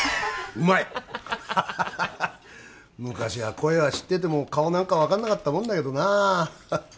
うまいハハハ昔は声は知ってても顔なんか分かんなかったもんだけどなハハッ